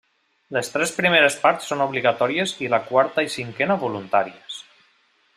Les tres primeres parts són obligatòries i la quarta i cinquena voluntàries.